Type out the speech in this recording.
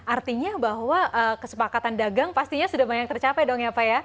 artinya bahwa kesepakatan dagang pastinya sudah banyak tercapai dong ya pak ya